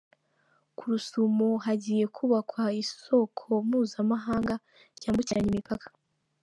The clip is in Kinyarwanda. Ku Rusumo hagiye kubakwa isoko mpuzamahanga ryambukiranya imipaka.